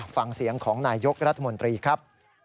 ฟังเสียงของนายยกรัฐมนตรีครับ